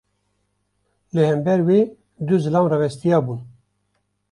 Li hember wê du zilam rawestiyabûn.